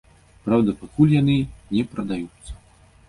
Праўда, пакуль яны не прадаюцца.